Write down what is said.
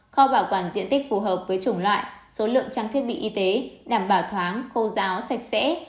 kho bảo quản diện tích phù hợp với chủng loại số lượng trang thiết bị y tế đảm bảo thoáng khô giáo sạch sẽ